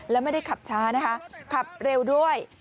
แล้วไม่ได้ขับช้านะคะขับเร็วด้วย